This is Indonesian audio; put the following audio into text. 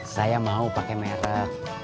saya mau pakai merek